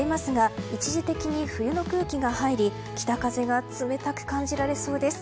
あさっては晴れますが一時的に冬の空気が入り北風が冷たく感じられそうです。